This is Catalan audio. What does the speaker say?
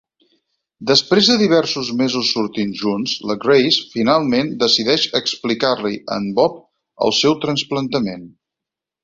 Després de diversos mesos sortint junts, la Grace finalment decideix explicar-li a en Bob el seu trasplantament.